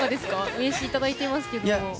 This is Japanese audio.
名刺いただいてますけど。